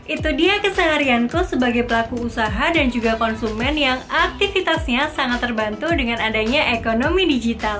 itu dia keseharianku sebagai pelaku usaha dan juga konsumen yang aktivitasnya sangat terbantu dengan adanya ekonomi digital